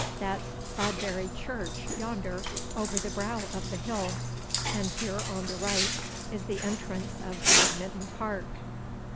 'That's Sodbury Church yonder over the brow of the hill, and here on the right is the entrance of Badminton Park.